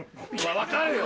分かるよ。